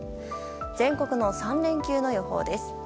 全国の３連休の予報です。